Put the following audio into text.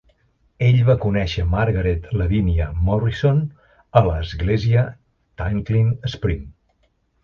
Ell va conèixer Margaret Lavinia Morrison a l'església Tinkling Spring.